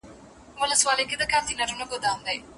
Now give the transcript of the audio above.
محبت باید کم نه سي.